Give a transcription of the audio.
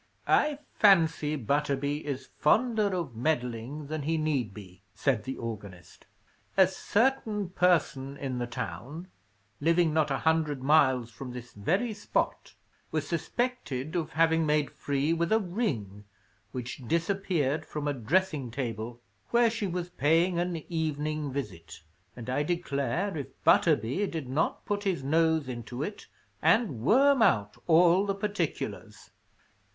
"I fancy Butterby is fonder of meddling than he need be," said the organist. "A certain person in the town, living not a hundred miles from this very spot, was suspected of having made free with a ring, which disappeared from a dressing table, where she was paying an evening visit; and I declare if Butterby did not put his nose into it, and worm out all the particulars!"